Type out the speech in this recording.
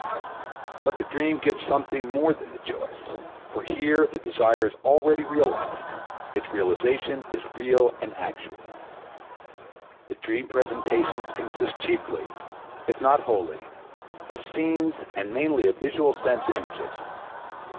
But the dream gives something more than the choice, for here the desire is already realized; its realization is real and actual. The dream presentations consist chiefly, if not wholly, of scenes and mainly of visual sense images.